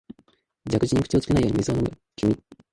蛇口に口をつけないように水を飲む君、